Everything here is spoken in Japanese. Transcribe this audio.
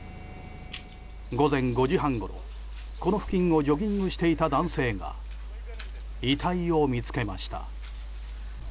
午前５時半ごろ、この付近をジョギングしていた男性が遺体を見つけました。